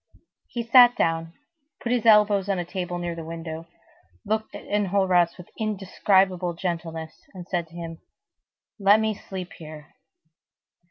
He sat down, put his elbows on a table near the window, looked at Enjolras with indescribable gentleness, and said to him:— "Let me sleep here."